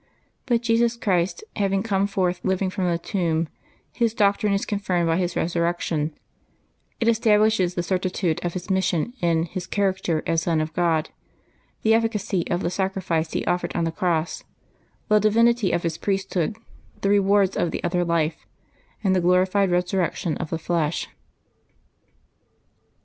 But Jesus Christ having come forth living from the tomb, His doc trine is confirmed by His Eesurrection ; it establishes the certitude of His mission in His character as Son of God, the efficacy of the sacrifice He offered on the cross, the divinity of His priesthood, the rewards of the other life, and the glorified resurrection of the flesh.